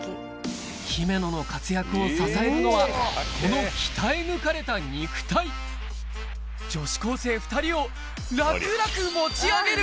姫野の活躍を支えるのはこの鍛え抜かれた女子高生２人を楽々持ち上げる！